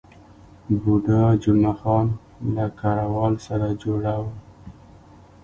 بوډا جمعه خان له کراول سره جوړه وه.